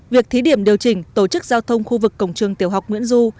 việc thí điểm điều chỉnh tổ chức giao thông khu vực cổng trường tiểu học nguyễn du